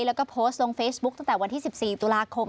แล้วก็โพสต์ลงเฟซบุ๊กตั้งแต่วันที่๑๔ตุลาคม